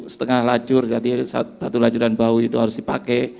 setengah lacur satu lacuran bau itu harus dipakai